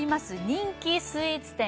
人気スイーツ店